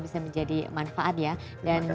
bisa menjadi manfaat ya dan